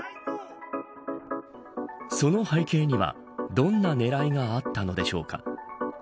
その背景には、どんな狙いがあったのでしょうか。